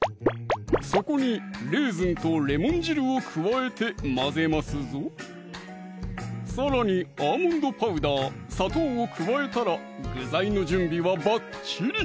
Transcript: そこにレーズンとレモン汁を加えて混ぜますぞさらにアーモンドパウダー・砂糖を加えたら具材の準備はばっちり！